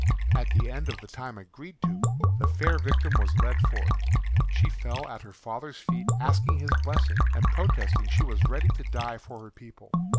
At the end of the time agreed to the fair victim was led forth. She fell at her father's feet asking his blessing and protesting she was ready to die for her people.